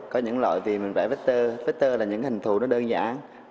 có những loại thì mình vẽ vector vector là những hình thủ nó đơn giản